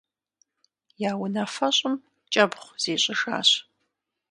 Я унафэщӏым кӀэбгъу зищӀыжащ.